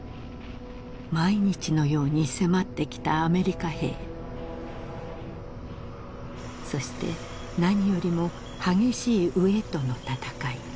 毎日のように迫ってきたアメリカ兵そして何よりも激しい飢えとの戦い